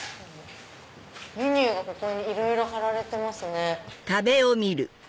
メニューがいろいろ張られてますね。